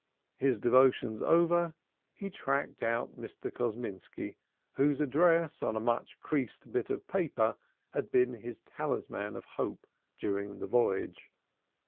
His devotions over, he tracked out Mr. Kosminski, whose address on a much creased bit of paper had been his talisman of hope during the voyage.